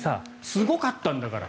すごかったんだから。